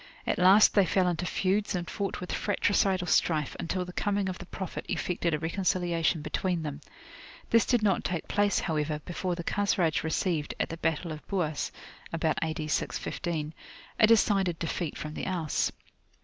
At last they fell into feuds and fought with fratricidal strife, until the coming of the Prophet effected a reconciliation between them. This did not take place, however, before the Khazraj received, at the battle of Buas (about A.D. 615), a decided defeat from the Aus.